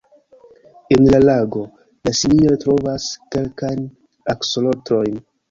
En la lago, la simioj trovas kelkajn aksolotlojn.